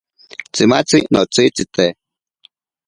Tsimatzi notsitsite.